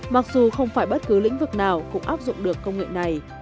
mặc dù không phải bất cứ lĩnh vực nào cũng áp dụng được công nghệ này